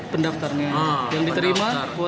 pendaftarnya yang diterima